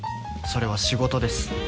それは仕事です